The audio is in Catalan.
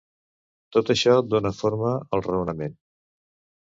Tot això dóna forma al raonament.